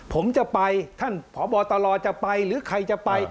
ผมจะไปท่านพบตลจะไปหรือใครจะไป